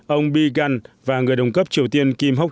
ông biegun và người đồng cấp triều tiên kim jong